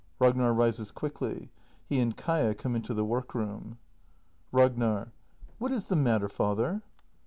Ragnar rises quickly. He and Kaia come into the work room. Ragnar. What is the matter, father?